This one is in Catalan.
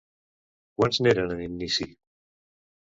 Quants n'eren en inici?